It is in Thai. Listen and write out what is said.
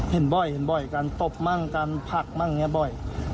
เห็นบ่อยการตบมั่งการพักมั่งยังเป็นอย่างน้อยบ่อย